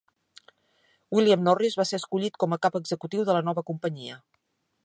William Norris va ser escollit com a cap executiu de la nova companyia.